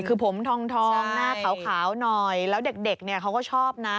คือผมทองหน้าขาวหน่อยแล้วเด็กเนี่ยเขาก็ชอบนะ